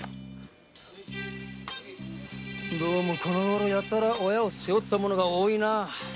どうもこのごろやたらと親を背負った者が多いな。